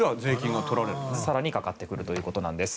更にかかってくるということです。